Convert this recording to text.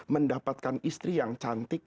mendapatkan istri yang cantik